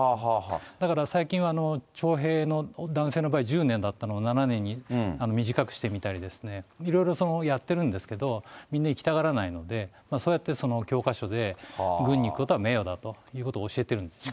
だから最近は、徴兵の男性の場合、１０年だったのを７年に短くしてみたり、いろいろ、やってるんですけど、みんな行きたがらないので、そうやって教科書で、軍に行くことは名誉だということを教えてるんですね。